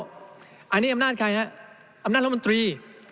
อันนี้อำนาจใครฮะอำนาจรัฐมนตรี